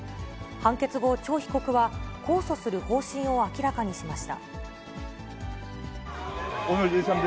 判決後、チョ被告は控訴する方針を明らかにしました。